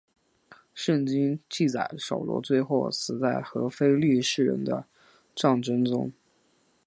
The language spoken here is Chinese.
圣经记载扫罗最后死在和非利士人的战争中。